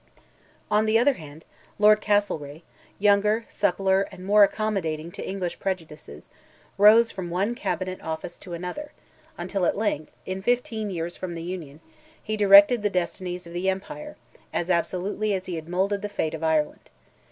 On the other hand, Lord Castlereagh, younger, suppler, and more accommodating to English prejudices, rose from one Cabinet office to another, until at length, in fifteen years from the Union, he directed the destinies of the Empire, as absolutely, as he had moulded the fate of Ireland.